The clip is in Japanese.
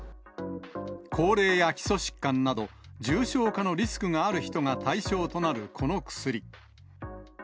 高齢や基礎疾患など、重症化のリスクがある人が対象となるこの薬。